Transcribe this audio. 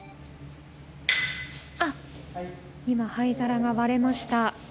今、灰皿が割れました。